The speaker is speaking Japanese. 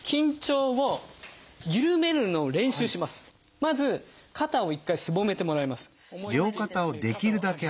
まず肩を一回すぼめてもらいます。